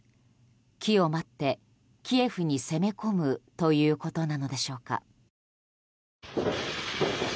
機を待ってキエフに攻め込むということなのでしょうか。